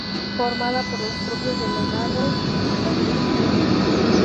Formada por los propios Delegados, o sus suplentes.